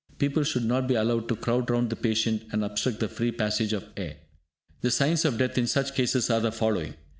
People should not be allowed to crowd round the patient, and obstruct the free passage of air. The signs of death in such cases are the following.